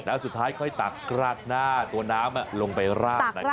แล้วสุดท้ายค่อยตักกราดหน้าตัวน้ำลงไปราดนะครับ